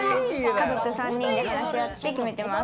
家族３人で話し合って決めてます。